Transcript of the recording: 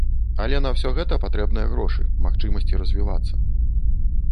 Але на ўсё гэта патрэбныя грошы, магчымасці развівацца.